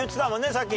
さっき。